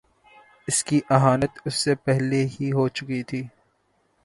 اس کی اہانت اس سے پہلے ہی ہو چکی تھی۔